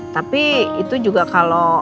tapi itu juga kalau